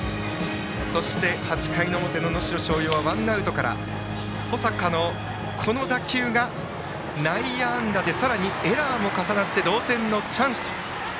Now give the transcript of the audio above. そして、８回表の能代松陽はワンアウトから保坂の打球が内野安打でさらにエラーも重なって同点のチャンス。